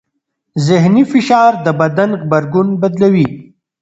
ذهني فشار د بدن غبرګون بدلوي.